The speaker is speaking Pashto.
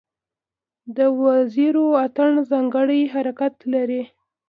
د وزیرو اتن ځانګړی حرکت لري.